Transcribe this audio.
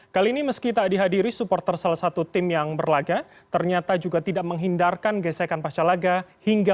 kali ini bersama kami wakil pemimpin redaksi sian indonesia revolusi riza